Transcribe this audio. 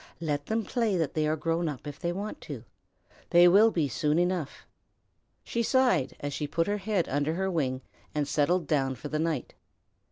"Let them play that they are grown up if they want to. They will be soon enough." She sighed as she put her head under her wing and settled down for the night.